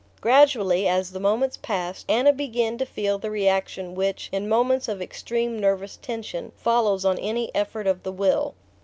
Gradually, as the moments passed, Anna began to feel the reaction which, in moments of extreme nervous tension, follows on any effort of the will.